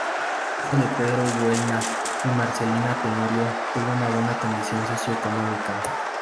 Hijo de Pedro Buelna y Marcelina Tenorio, tuvo una buena condición socioeconómica.